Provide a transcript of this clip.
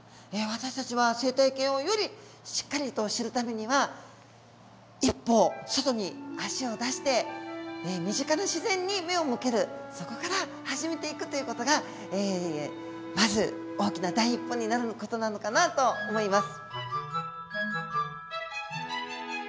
私たちは生態系をよりしっかりと知るためには一歩外に足を出して身近な自然に目を向けるそこから始めていくという事がまず大きな第一歩になる事なのかなと思います。